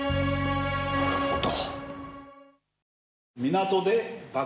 なるほど。